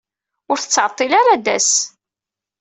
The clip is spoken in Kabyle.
Ur tettɛeḍḍil ara ad d-tas.